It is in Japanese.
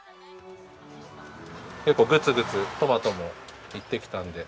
結構グツグツトマトもいってきたので。